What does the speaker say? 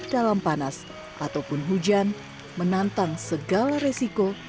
dalam panas ataupun hujan menantang segala resiko